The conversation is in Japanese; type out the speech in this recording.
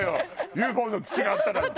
「ＵＦＯの基地があった」なんて。